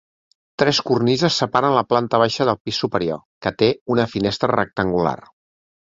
Tres cornises separen la planta baixa del pis superior, que té una finestra rectangular.